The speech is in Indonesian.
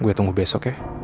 gue tunggu besok ya